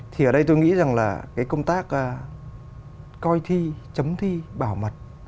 thì ở đây tôi nghĩ rằng là cái công tác coi thi chấm thi bảo mật